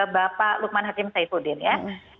bapak lukman hakim saifuddin